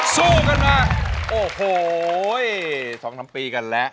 สู้กันมาโอ้โหสองทำปีกันและ